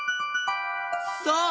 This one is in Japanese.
そう！